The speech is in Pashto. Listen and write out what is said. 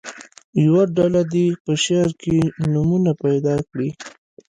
یوه ډله دې په شعر کې نومونه پیدا کړي.